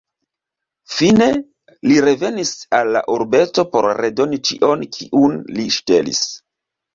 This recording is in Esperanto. Fine, li revenis al la urbeto por redoni ĉion kiun li ŝtelis.